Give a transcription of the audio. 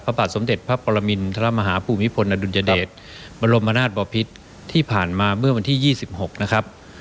บาทสมเด็จพระปรมินทรมาฮาภูมิพลอดุลยเดชบรมนาศบอพิษที่ผ่านมาเมื่อวันที่๒๖นะครับ